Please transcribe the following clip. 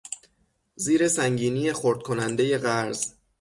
زیر سنگینی خرد کنندهی قرض